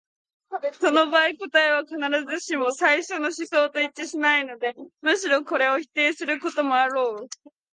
その場合、答えは必ずしも最初の思想と一致しないで、むしろこれを否定することもあろう。